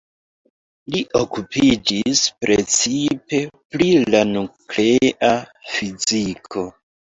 Li okupiĝis precipe pri la nuklea fiziko.